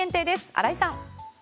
新井さん。